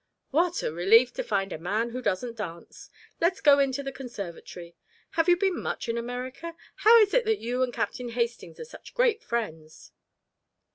"What a relief to find a man who doesn't dance! Let us go into the conservatory. Have you been much in America? How is it that you and Captain Hastings are such great friends?"